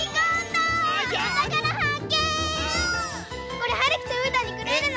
これはるきとうーたんにくれるの？